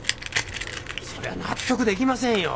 そりゃ納得できませんよ。